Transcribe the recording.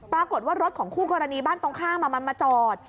ปรากฏว่ารถของคู่กรณีบ้านตรงข้ามมันมาจอด